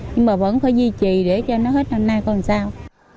nhưng mà vẫn phải duy trì để cho nó hết năm nay còn sao